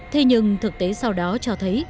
thế nhưng thực tế sau đó cho thấy